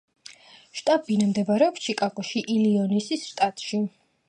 შტაბ-ბინა მდებარეობს ჩიკაგოში, ილინოისის შტატში.